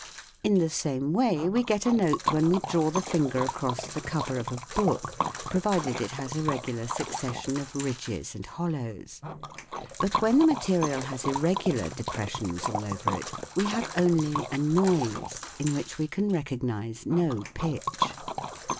In the same way we get a note when we draw the finger across the cover of a book, provided it has a regular succession of ridges and hollows ; but when the material has irregular depressions all over it, we have only a " noise," in which we can recognise no pitch.